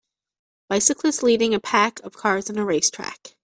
bicyclist leading a pack of cars in a racetrack.